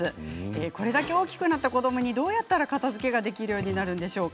これだけ大きくなった子どもにどうやったら片づけができるようになるんでしょうか。